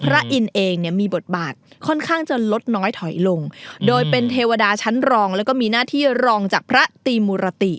อินเองเนี่ยมีบทบาทค่อนข้างจะลดน้อยถอยลงโดยเป็นเทวดาชั้นรองแล้วก็มีหน้าที่รองจากพระตีมุรติ